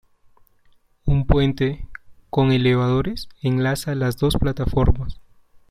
Un puente, con elevadores, enlaza las dos plataformas.